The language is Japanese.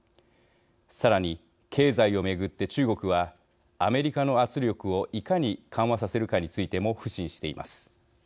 さらに経済を巡って中国はアメリカの圧力をいかに緩和させるかについても腐心しています。